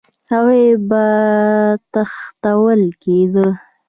هغوی به تښتول کېده